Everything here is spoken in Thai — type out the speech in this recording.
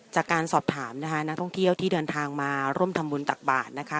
จากการสอบถามนะคะนักท่องเที่ยวที่เดินทางมาร่วมทำบุญตักบาทนะคะ